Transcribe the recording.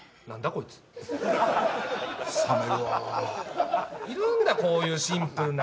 こいつ冷めるわーいるんだこういうシンプルな２択